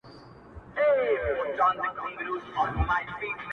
په امان به سي کورونه د پردیو له سپاهیانو!